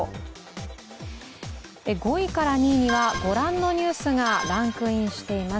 ５位から２位にはご覧のニュースがランクインしています。